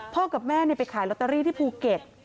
กับแม่ไปขายลอตเตอรี่ที่ภูเก็ต